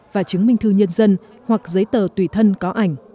và chứng minh thư nhân dân hoặc giấy tờ tùy thân có ảnh